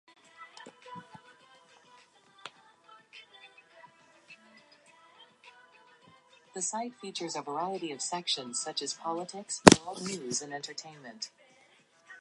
The site features a variety of sections such as Politics, World News and Entertainment.